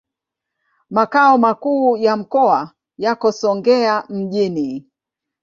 Makao makuu ya mkoa yako Songea mjini.